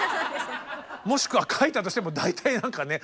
もしくは書いたとしても大体何かね